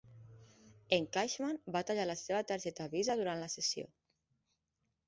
En Cashman va tallar la seva targeta Visa durant la sessió.